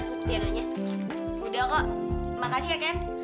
terima kasih ken